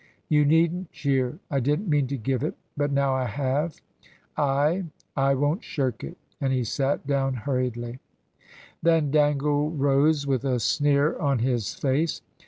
"You needn't cheer. I didn't mean to give it but now I have, I I won't shirk it," and he sat down hurriedly. Then Dangle rose, with a sneer on his face.